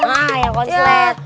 nah yang konslet